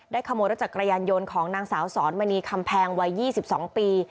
ขโมยรถจักรยานยนต์ของนางสาวสอนมณีคำแพงวัย๒๒ปี